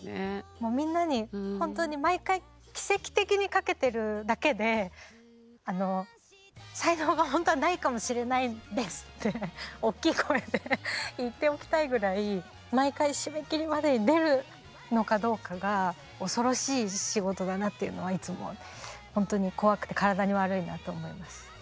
もうみんなに本当に毎回奇跡的に書けてるだけであの才能が本当はないかもしれないんですって大きい声で言っておきたいぐらい毎回締め切りまでに出るのかどうかが恐ろしい仕事だなっていうのはいつも本当に怖くて体に悪いなと思います。